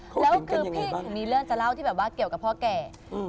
แล้วคือพี่ถึงมีเรื่องจะเล่าที่แบบว่าเกี่ยวกับพ่อแก่